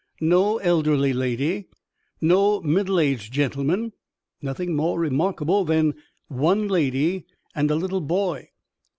No elderly lady, no middle aged gentleman; nothing more remarkable than one lady and a little boy."